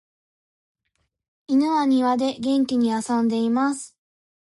犬は庭で元気に遊んでいます。